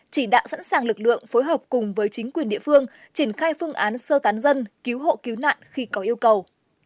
chỉ đạo sẵn sàng lực lượng phối hợp cùng với chính quyền địa phương triển khai phương án sơ tán dân cứu hộ cứu nạn khi có yêu cầu